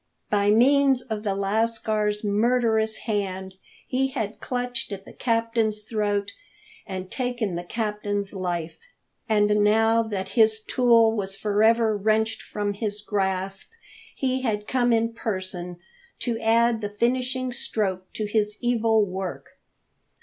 By means of the lascar's murderous hand he had clutched at the captain's throat and taken the captain's life. And now that his tool was for ever wrenched from his grasp, he had come in person to add the finishing stroke to his evil work.